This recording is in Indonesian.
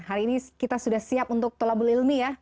hari ini kita sudah siap untuk tolabul ilmi ya